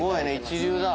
一流だ。